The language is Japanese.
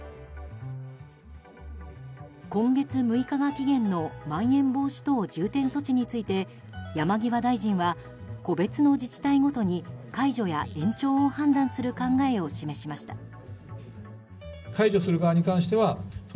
今月６日が期限のまん延防止等重点措置について山際大臣は個別の自治体ごとに解除や延長を判断する考えを示しました。